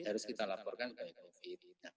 harus kita laporkan covid sembilan belas